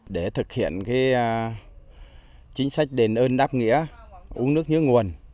để thực hiện chính sách đền ơn đáp nghĩa uống nước nhớ nguồn